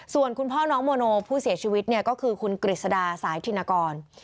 ส่วนคุณพ่อน้องโมโนผู้เสียชีวิตเนี่ยก็คือคุณกฤษดาสายธินกร